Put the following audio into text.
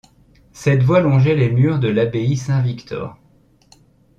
Cette voie longeait les murs de l'abbaye Saint-Victor.